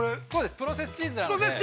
プロセスチーズなので。